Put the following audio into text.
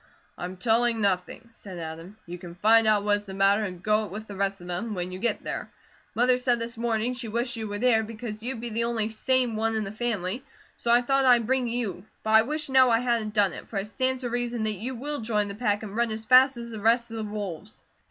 "I'm telling nothing," said Adam. "You can find out what is the matter and go it with the rest of them, when you get there. Mother said this morning she wished you were there, because you'd be the only SANE one in the family, so I thought I'd bring you; but I wish now I hadn't done it, for it stands to reason that you will join the pack, and run as fast as the rest of the wolves."